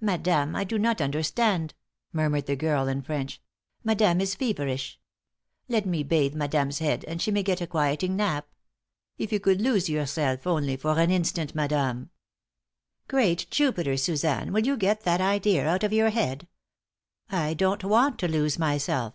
"Madame, I do not understand," murmured the girl, in French. "Madame is feverish. Let me bathe madame's head, and she may get a quieting nap. If you could lose yourself only for an instant, madame!" "Great Jupiter, Suzanne, will you get that idea out of your head? I don't want to lose myself.